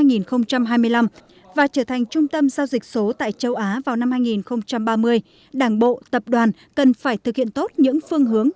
năm hai nghìn hai mươi năm và trở thành trung tâm giao dịch số tại châu á vào năm hai nghìn ba mươi đảng bộ tập đoàn cần phải thực hiện tốt những phương hướng